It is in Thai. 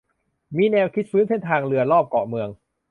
มีแนวคิดฟื้นเส้นทางเรือรอบเกาะเมือง